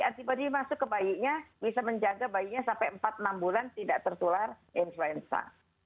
tiba tiba masuk ke bayinya bisa menjaga bayinya sampai empat enam bulan tidak tertular influenza